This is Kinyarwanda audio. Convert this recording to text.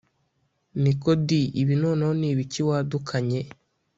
“niko di ibi noneho ni ibiki wadukanye